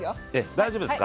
大丈夫ですか？